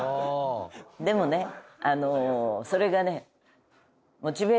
でもねそれがね